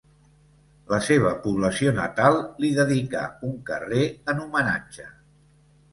La seva població natal li dedicà un carrer en homenatge.